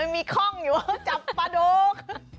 มีคล่องอยู่จับปลาโดก